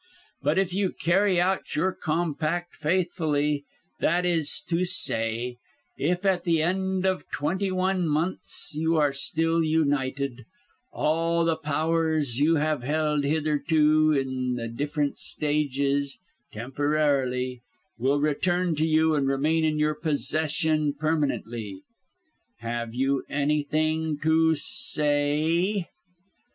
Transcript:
But if you carry out your compact faithfully that is to say, if at the end of the twenty one months you are still united all the powers you have held hitherto, in the different stages, temporarily, will return to you and remain in your possession permanently. Have you anything to say?"